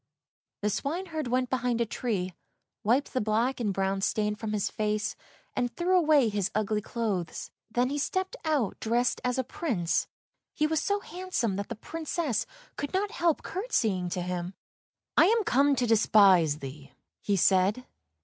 " The swineherd went behind a tree, wiped the black and brown stain from his face, and threw away his ugly clothes. Then he stepped out dressed as a Prince, he was so handsome that the Princess could not help curtseying to him. " I am come to despise thee," he said.